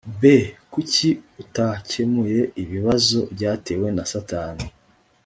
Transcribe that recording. b kuki atakemuye ibibazo byatewe na satani